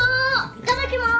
いただきます。